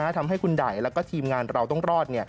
ทำให้คุณได่แล้วก็ทีมงานเราต้องรอด